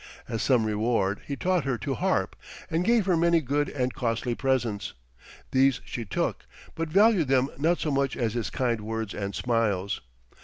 As some reward he taught her to harp, and gave her many good and costly presents. These she took, but valued them not so much as his kind words and smiles.